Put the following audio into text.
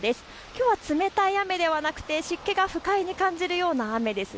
きょうは冷たい雨ではなく湿気が不快に感じるような雨です。